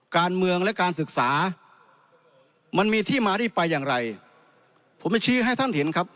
การเมืองและการศึกษามันมีที่มาที่ไปอย่างไรผมจะชี้ให้ท่านเห็นครับ